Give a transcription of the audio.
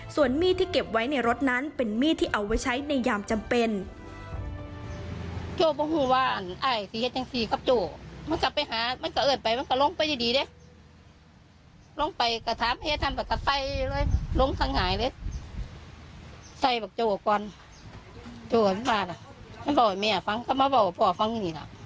ส่วนมีดที่เก็บไว้ในรถนั้นเป็นมีดที่เอาไว้ใช้ในยามจำเป็น